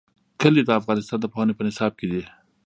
کلي د افغانستان د پوهنې په نصاب کې دي.